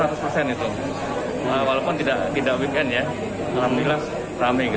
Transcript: walaupun tidak weekend ya alhamdulillah rame